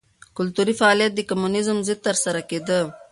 کلتوري فعالیت د کمونېزم ضد ترسره کېده.